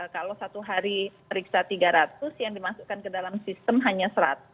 kalau satu hari periksa tiga ratus yang dimasukkan ke dalam sistem hanya seratus